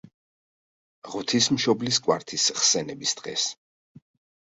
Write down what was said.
ღვთისმშობლის კვართის ხსენების დღეს.